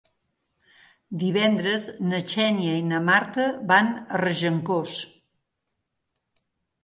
Divendres na Xènia i na Marta van a Regencós.